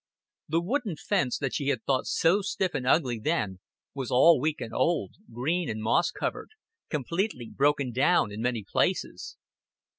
The wooden fence that she had thought so stiff and ugly then was all weak and old, green and moss covered, completely broken down in many places.